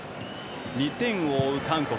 ２点を追う韓国。